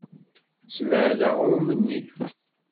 Ssebɛed aɣrum-nni.